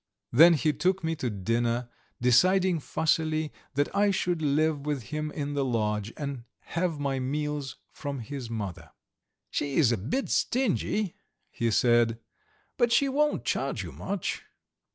Then he took me to dinner, deciding fussily that I should live with him in the lodge, and have my meals from his mother. "She is a bit stingy," he said, "but she won't charge you much."